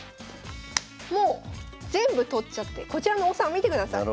もう全部取っちゃってこちらの王様見てください。